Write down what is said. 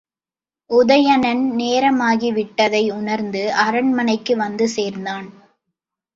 உதயணன் நேரமாகிவிட்டதை உணர்ந்து அரண்மனைக்கு வந்து சேர்ந்தான்.